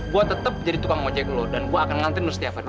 gue tetep jadi tukang ojek lo dan gue akan anterin lo setiap hari